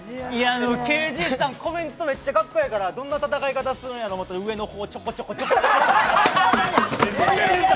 ＫＺさんコメントめっちゃかっこええからどんな戦い方するんやろと思ったら、上の方、ちょこちょこ、ちょこちょこ。